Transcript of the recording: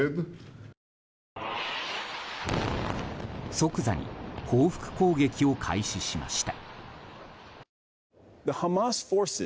即座に報復攻撃を開始しました。